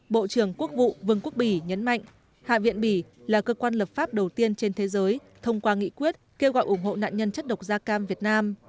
bộ trưởng quốc vụ vương quốc bỉ nhấn mạnh hạ viện bỉ là cơ quan lập pháp đầu tiên trên thế giới thông qua nghị quyết kêu gọi ủng hộ nạn nhân chất độc da cam việt nam